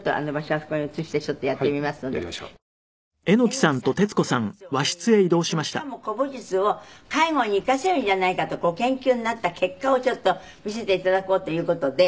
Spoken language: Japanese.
榎木さんが古武術をおやりになってしかも古武術を介護に生かせるんじゃないかとご研究になった結果をちょっと見せて頂こうという事で。